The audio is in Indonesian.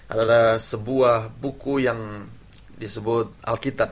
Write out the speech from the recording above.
adalah sebuah buku yang disebut alkitab